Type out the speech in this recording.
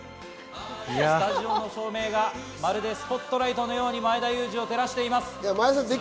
スタジオの照明がスポットライトのように照らしています。